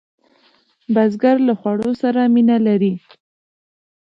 بزګر له خوړو سره مینه لري